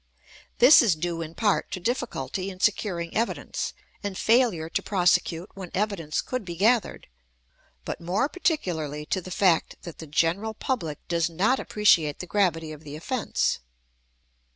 This is due in part to difficulty in securing evidence and failure to prosecute when evidence could be gathered, but more particularly to the fact that the general public does not appreciate the gravity of the offense.